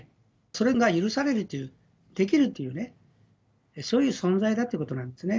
それが許されるという、できるというね、そういう存在だということなんですね。